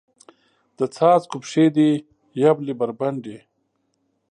د څاڅکو پښې دي یبلې بربنډې